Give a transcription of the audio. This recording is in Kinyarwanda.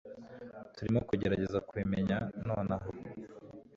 turimo kugerageza kubimenya nonaha